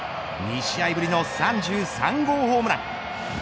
２試合ぶりの３３号ホームラン。